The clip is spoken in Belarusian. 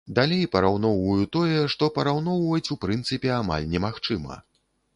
Далей параўноўваю тое, што параўноўваць у прынцыпе амаль немагчыма.